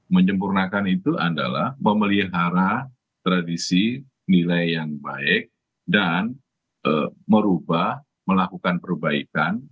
menyempurnakan itu adalah memelihara tradisi nilai yang baik dan merubah melakukan perbaikan